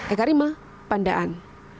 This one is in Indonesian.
eka rima pandaan